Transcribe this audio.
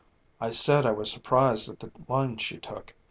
I said I was surprised at the line she took.